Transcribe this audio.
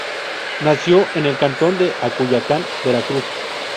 Nació en el cantón de Acayucan, Veracruz.